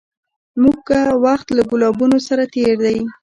موږه وخت له ګلابونو سره تېر دی